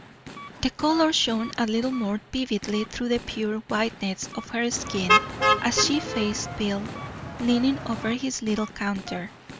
The colour shone a little more vividly through the pure whiteness of her skin as she faced Bill, leaning over his little counter.